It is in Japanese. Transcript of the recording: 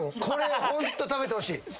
これホント食べてほしい。